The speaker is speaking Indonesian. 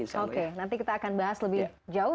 oke nanti kita akan bahas lebih jauh